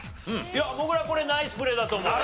いやもぐらこれナイスプレーだと思うよ。